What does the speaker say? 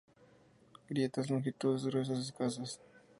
Grietas longitudinales gruesas escasas.